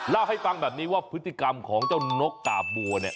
เล่าให้ฟังแบบนี้ว่าพฤติกรรมของเจ้านกกาบบัวเนี่ย